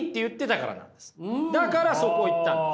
だからそこ行ったんです。